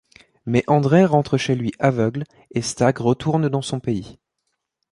Mais André rentre chez lui aveugle, et Stagg retourne dans son pays.